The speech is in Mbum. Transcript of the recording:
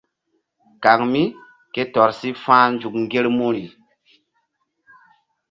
Kaŋ mí ke tɔr si fa̧h nzuk ŋgermuri.